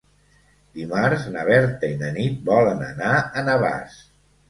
Dimarts na Berta i na Nit volen anar a Navàs.